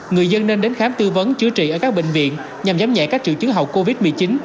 người dân nên đến khám tư vấn chữa trị ở các bệnh viện nhằm giám nhẹ các triệu chứng học covid một mươi chín